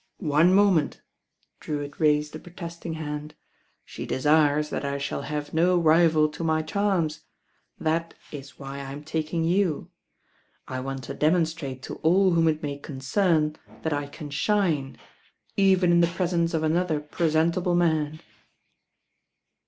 ueP'i^ moment," Drewitt raised a protesting hand. She desires that I shaU have no rival to my charms. That IS why I'm taking you. I want to demonstrate to all whom it may concern that I can shine, even in the presence of another presentable man."